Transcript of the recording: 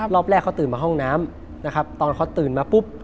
รอบแรกเขาตื่นมาห้องน้ำนะครับตอนเขาตื่นมาปุ๊บ